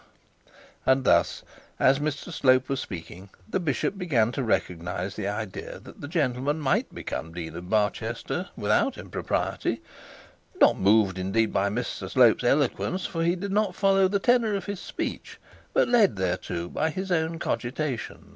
And thus as Mr Slope as speaking, the bishop began to recognise the idea that that gentleman might become dean of Barchester without impropriety; not moved, indeed, by Mr Slope's eloquence, for he did not follow the tenor of his speech; but led thereto by his own cogitation.